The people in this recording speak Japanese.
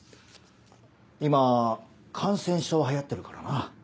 今感染症流行ってるからな。